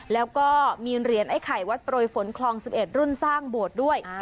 แล้วก็มีเหรียญไอ้ไข่วัดโปรยฝนคลอง๑๑รุ่นสร้างโบสถ์ด้วย